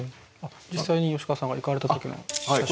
実際に吉川さんが行かれた時の写真が。